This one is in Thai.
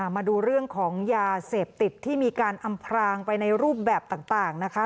มาดูเรื่องของยาเสพติดที่มีการอำพรางไปในรูปแบบต่างนะคะ